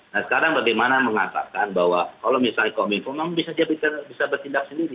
nah sekarang bagaimana mengatakan bahwa kalau misalnya kominfo memang bisa bertindak sendiri